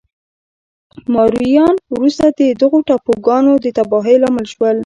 مایوریان وروسته د دغو ټاپوګانو د تباهۍ لامل شول.